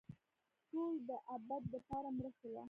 ټول دابد دپاره مړه شوله